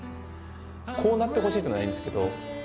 こうなってほしいっていうのはないんですけど。